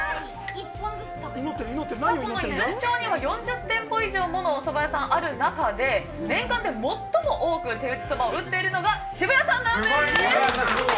出石町には４０店舗以上おそば屋さんがある中で年間で最も手打ちそばを打ってるのが渋谷さんなんです。